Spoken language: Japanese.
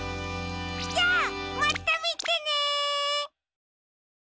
じゃまたみてね！